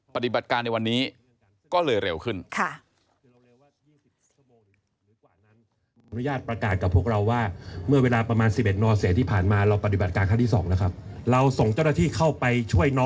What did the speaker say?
ปฏิบัติการในวันนี้ก็เลยเร็วขึ้น